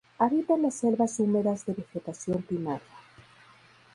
Habita en las selvas húmedas de vegetación primaria.